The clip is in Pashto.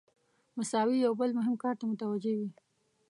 مساوي یو بل مهم کار ته متوجه وي.